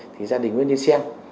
thì gia đình mới nhìn xem